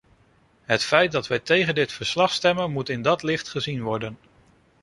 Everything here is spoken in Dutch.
Het feit dat wij tegen dit verslag stemmen, moet in dat licht gezien worden.